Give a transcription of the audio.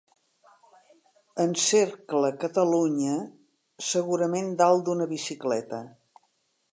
Encercla Catalunya, segurament dalt d'una bicicleta.